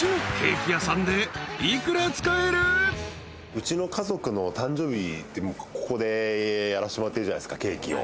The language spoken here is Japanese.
うちの家族の誕生日ってここでやらせてもらってるじゃないですかケーキを。